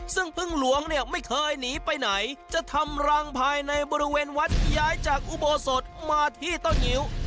ซึ่งพึ่งหลวงเนี่ยไม่เคยหนีไปไหนจะทำรังภายในบริเวณวัดย้ายจากอุโบสถมาที่ต้นงิ้ว